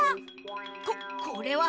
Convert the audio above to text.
ここれは！